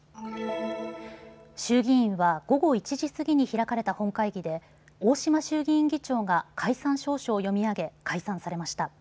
衆議院は午後１時過ぎに開かれた本会議で大島衆議院議長が解散詔書を読み上げ解散されました。